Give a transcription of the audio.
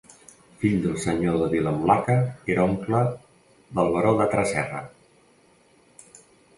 Fill del senyor de Vilamulaca, era oncle del baró de Tresserra.